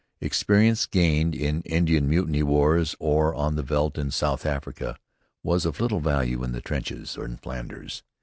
Experience gained in Indian Mutiny wars or on the veldt in South Africa was of little value in the trenches in Flanders.